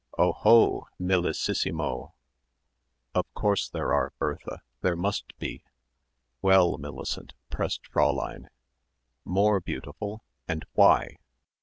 "Oh ho, Millississimo." "Of course there are, Bertha, there must be." "Well, Millicent," pressed Fräulein, "'more beautiful' and why?